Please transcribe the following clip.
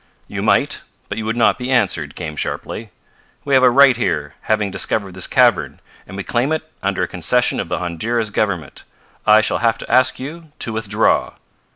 "You might, but you would not be answered," came sharply. "We have a right here, having discovered this cavern, and we claim it under a concession of the Honduras Government. I shall have to ask you to withdraw."